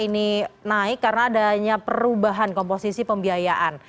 ini naik karena adanya perubahan komposisi pembiayaan